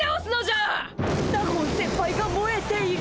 納言先輩がもえている。